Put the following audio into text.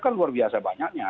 kan luar biasa banyaknya